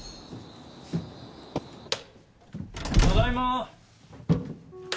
ただいま！